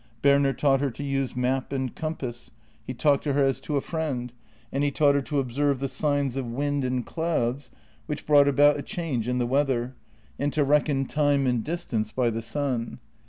Berner taught her to use map and compass, he talked to her as to a friend, and he taught her to observe the signs of wind JENNY 93 and clouds, which brought about a change in the weather, and to reckon time and distance by the sun.